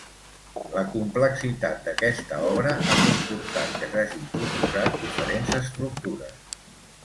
La complexitat d'aquesta obra ha comportat que s'hagin proposat diferents estructures.